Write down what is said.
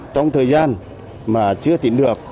trong thời gian mà chưa tìm được